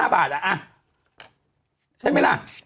๓๕บาทอ่ะ